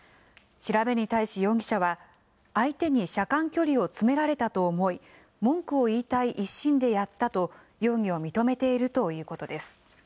調べに対し容疑者は、相手に車間距離を詰められたと思い、文句を言いたい一心でやったと、容疑を認めているということです。